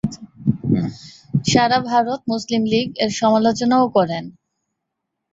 সারা Bharat Muslim league এর সমালোচনাও করেন।